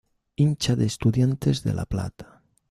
Hincha de Estudiantes de La Plata.